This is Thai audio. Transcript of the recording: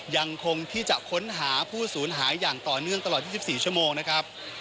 ยังคงที่จะค้นหาผู้สูญหายอย่างต่อเนื่องตลอด๒๔ชั่วโมงนะครับ